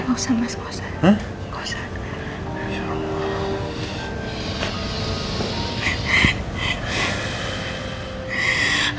gak usah mas gak usah